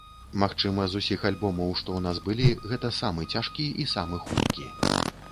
Магчыма, з усіх альбомаў, што ў нас былі, гэта самы цяжкі і самы хуткі.